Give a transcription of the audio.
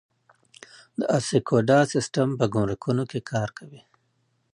د اسیکوډا سیستم په ګمرکونو کې کار کوي؟